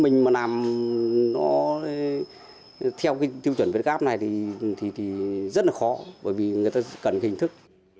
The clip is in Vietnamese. mình mà làm nó theo cái tiêu chuẩn việt gáp này thì rất là khó bởi vì người ta cần hình thức